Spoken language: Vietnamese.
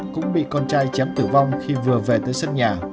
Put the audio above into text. cũng bị con trai chém tử vong khi vừa về tới sân nhà